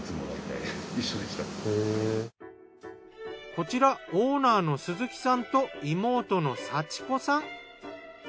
こちらオーナーの鈴木さんと妹の祥子さん。